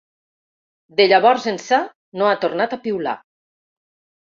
De llavors ençà, no ha tornat a piular.